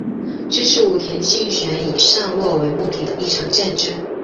这是武田信玄以上洛为目的的一场战争。